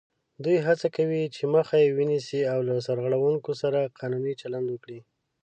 دوی هڅه کوي چې مخه یې ونیسي او له سرغړوونکو سره قانوني چلند وکړي